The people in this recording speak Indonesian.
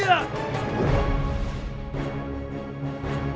saat memup economics indonesia